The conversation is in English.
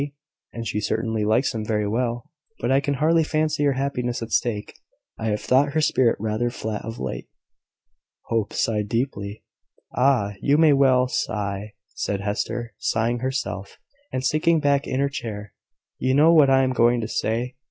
"And she certainly likes him very well; but I can hardly fancy her happiness at stake. I have thought her spirit rather flat of late." Hope sighed deeply. "Ah! you may well sigh," said Hester, sighing herself, and sinking back in her chair. "You know what I am going to say.